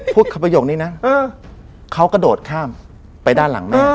พูดประโยคนี้น่ะเออเขากระโดดข้ามไปด้านหลังแม่เออ